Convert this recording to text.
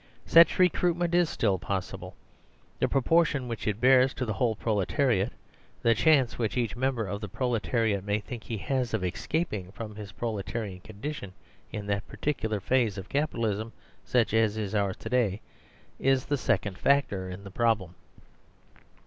Such recruitment is still 135 THE SERVILE STATE possible. The proportion which it bears to the whole proletariat, thechance which each member of the pro letariat may think he has of escaping from his pro letarian condition in a particular phase of Capitalism such as is ours to day, is the second factor in the pro blem.